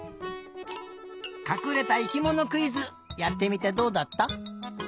かくれた生きものクイズやってみてどうだった？